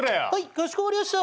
かしこまりやした。